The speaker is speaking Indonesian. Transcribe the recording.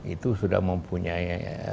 itu sudah mempunyai